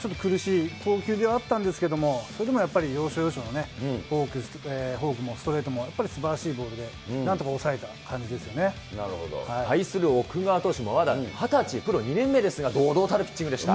本人の中でちょっと苦しい投球ではあったんですけれども、それでもやっぱり要所要所のフォークもストレートもやっぱりすばらしいので、対する奥川投手もまだ２０歳、プロ２年目ですが、堂々たるピッチングでした。